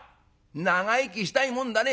長生きしたいもんだね。